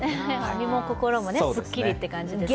見も心もすっきりって感じですね。